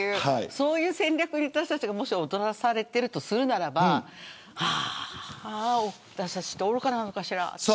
そういう戦略に私たちがもし踊らされているとするならば私たちって愚かなのかしらって。